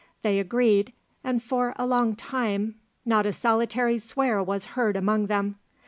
They agreed, and for a long time not a solitary swear was heard among them.